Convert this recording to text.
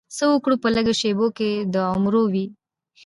څه وګړي په لږو شپو کې د عمرو وي.